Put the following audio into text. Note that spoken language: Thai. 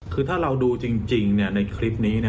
คือถ้าเราดูจริงในคลิปนี้